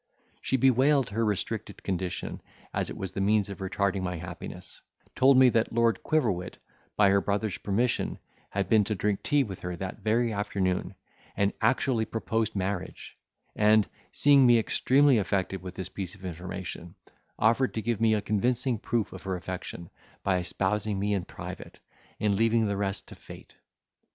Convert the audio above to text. She bewailed her restricted condition, as it was the means of retarding my happiness; told me that Lord Quiverwit, by her brother's permission, had been to drink tea with her that very afternoon, and actually proposed marriage; and, seeing me extremely affected with this piece of information, offered to give me a convincing proof of her affection, by espousing me in private, and leaving the rest to fate.